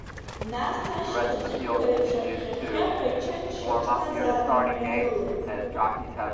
Нас, ашьха ӡыхьқәа реиԥш, ахьхьа-хьхьаҳәа ичча-ччо аԥсҭазаара мҩа ианылоит.